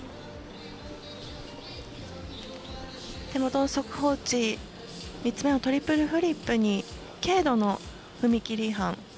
手元の速報値３つ目のトリプルフリップに軽度の踏み切り違反。